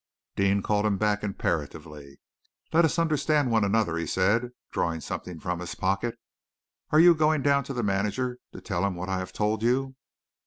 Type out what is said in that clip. Deane called him back imperatively. "Let us understand one another," he said, drawing something from his pocket. "Are you going down to the manager to tell him what I have told you?"